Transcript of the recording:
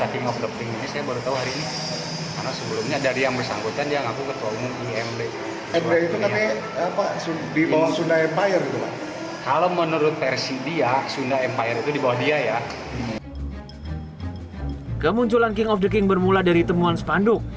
kemunculan king of the king bermula dari temuan spanduk